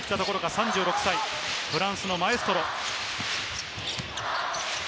３６歳、フランスのマエストロ。